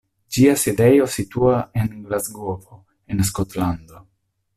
Ĝia sidejo situas en Glasgovo, en Skotlando.